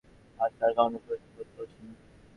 আমি স্যার তার কোনো প্রয়োজন বোধ করছি না।